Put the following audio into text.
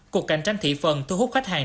cuộc cạnh tranh thị phần thu hút khách hàng